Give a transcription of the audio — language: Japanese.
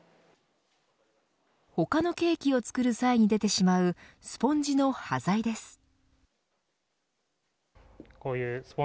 他のケーキを作る際に出てしまうスポンジの端材です。